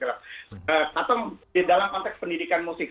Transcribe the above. atau di dalam konteks pendidikan musik